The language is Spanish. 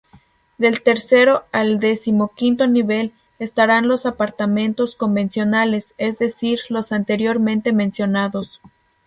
Del tercero al decimoquinto nivel, estarán los apartamentos convencionales, es decir los anteriormente mencionados.